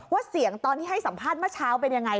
เสียงตอนที่ให้สัมภาษณ์เมื่อเช้าเป็นยังไง